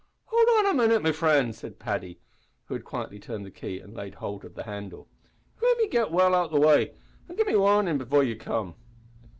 "Howld on a minit, me frind," said Paddy, who had quietly turned the key and laid hold of the handle; "let me git well out o' the way, and give me warnin' before you come."